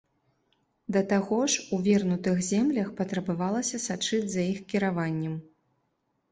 Да таго ж, у вернутых землях, патрабавалася сачыць за іх кіраваннем.